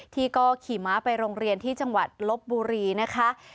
ที่ก็ขี่ม้าไปโรงเรียนที่จังหวัดลบบุรีนะคะ